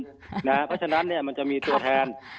เพราะฉะนั้นมันจะมีตัวแทน